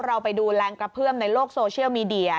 เราไปดูแรงกระเพื่อมในโลกโซเชียลมีเดีย